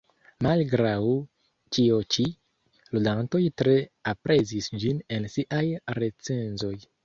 Malgraŭ ĉio ĉi, ludantoj tre aprezis ĝin en siaj recenzoj.